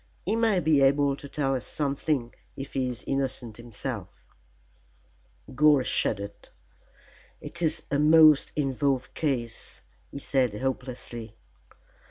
He may be able to tell us something if he is innocent himself." Gore shuddered. "It is a most involved case," he said hopelessly.